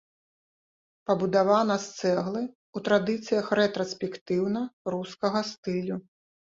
Пабудавана з цэглы ў традыцыях рэтраспектыўна-рускага стылю.